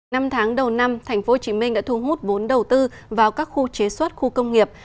năm tháng đầu năm tp hcm đã thu hút vốn đầu tư vào các khu chế xuất khu công nghiệp